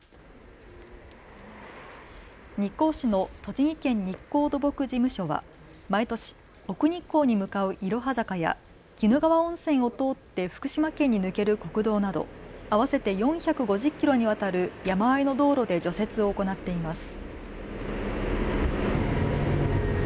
日光市の栃木県日光土木事務所は毎年、奥日光に向かういろは坂や鬼怒川温泉を通って福島県に抜ける国道など合わせて４５０キロにわたる山あいの道路で除雪を行っています。